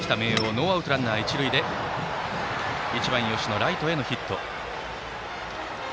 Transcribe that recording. ノーアウトランナー、一塁で１番、吉野がライトへのヒット。